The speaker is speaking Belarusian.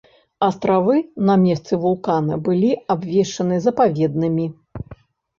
Астравы на месцы вулкана былі абвешчаны запаведнымі.